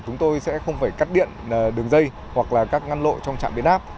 chúng tôi sẽ không phải cắt điện đường dây hoặc là các ngăn lộ trong trạm biến áp